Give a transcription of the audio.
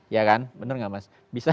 ya kan bener gak mas